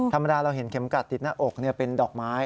ธรรมดาเราเห็นเข็มกัดติดหน้าอกเป็นดอกไม้